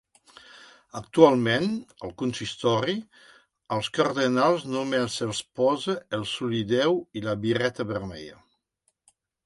Actualment, al consistori, als cardenals només se'ls posa el solideu i la birreta vermella.